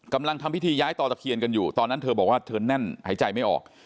ทำพิธีย้ายต่อตะเคียนกันอยู่ตอนนั้นเธอบอกว่าเธอแน่นหายใจไม่ออก